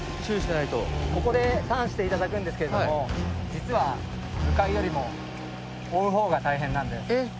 ここでターンしていただくんですけど実は向かうよりも追うほうが大変なんです。